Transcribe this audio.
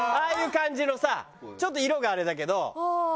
ああいう感じのさちょっと色があれだけど。